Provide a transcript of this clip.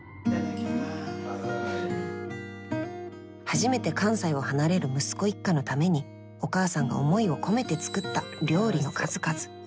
初めて関西を離れる息子一家のためにお母さんが思いを込めて作った料理の数々。